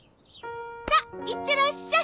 さっいってらっしゃい！